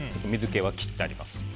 水気は切ってあります。